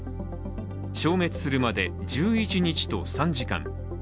消滅するまで１１日と３時間。